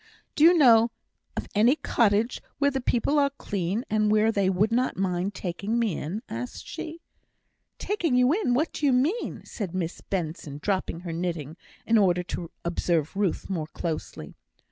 "Do you know of any cottage where the people are clean, and where they would not mind taking me in?" asked she. "Taking you in! What do you mean?" said Miss Benson, dropping her knitting, in order to observe Ruth more closely.